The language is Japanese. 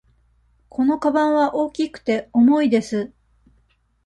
このかばんは大きくて、重いです。